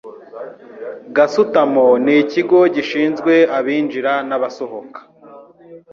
gasutamo n Ikigo gishinzwe abinjira n abasohoka